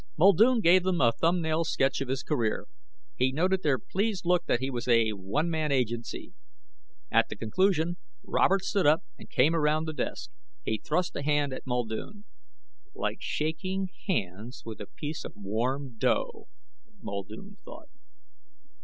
Muldoon gave them a thumbnail sketch of his career. He noted their pleased look that he was a one man agency. At the conclusion, Robert stood up and came around the desk. He thrust a hand at Muldoon. Like shaking hands with a piece of warm dough, Muldoon thought.